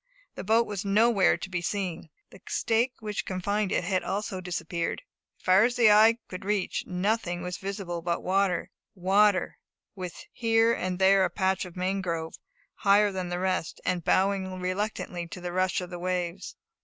The boat was nowhere to be seen. The stake which had confined it had also disappeared. Far as the eye could reach nothing was visible but water water, with here and there a patch of mangrove, higher than the rest, and bowing reluctantly to the rush of the waves.